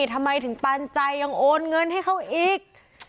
ทำไมถึงปันใจยังโอนเงินให้เขาอีก